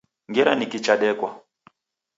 Ngera niki chadekwa.